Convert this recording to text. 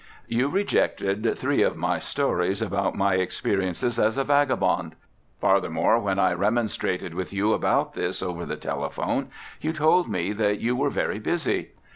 You rejected three of my stories about my experiences as a vagabond. Farthermore, when I remonstrated with you about this over the telephone, you told me that you were very busy.